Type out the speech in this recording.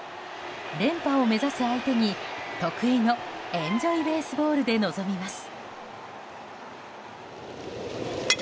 連覇を目指す相手に得意のエンジョイベースボールで臨みます。